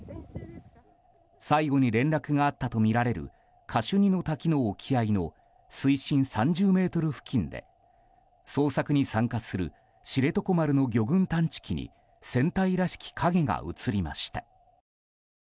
最後に連絡があったとみられるカシュニの滝の沖合の水深３０ｍ付近で捜索に参加する「知床丸」の魚群探知機に船体らしき影が映りました。